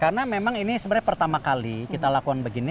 karena memang ini sebenarnya pertama kali kita lakukan begini